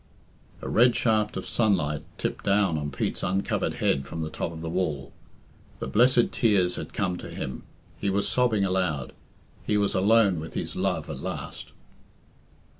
A red shaft of sunlight tipped down on Pete's uncovered head from the top of the wall. The blessed tears had come to him. He was sobbing aloud; he was alone with his love at last.